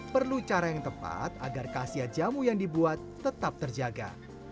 perlu cara yang tepat agar kasiat jamu yang dibuat tetap terjaga